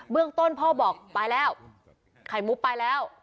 เรื่องต้นพ่อบอกไปแล้วไข่มุกไปแล้ว